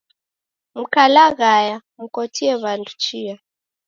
Mkalaghaya, mkotie w'andu chia